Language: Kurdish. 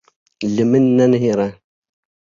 Li min nenihêre!